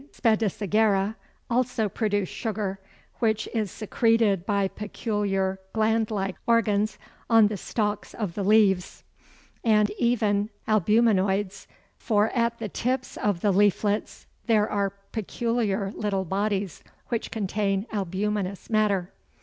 spadicigera_) also produce sugar, which is secreted by peculiar gland like organs on the stalks of the leaves, and even albuminoids, for at the tips of the leaflets there are peculiar little bodies which contain albuminous matter.